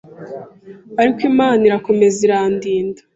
ariko Imana irakomeza irandinda